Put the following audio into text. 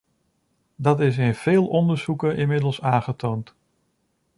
Dat is in veel onderzoeken inmiddels aangetoond.